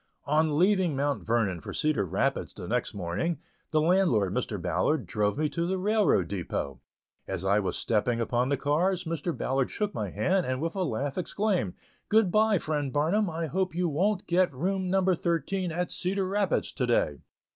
On leaving Mount Vernon for Cedar Rapids the next morning, the landlord, Mr. Ballard, drove me to the railroad depot. As I was stepping upon the cars, Mr. Ballard shook my hand, and with a laugh exclaimed: "Good by, friend Barnum, I hope you wont get room number thirteen at Cedar Rapids to day."